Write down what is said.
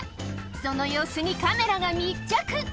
その様子にカメラが密着。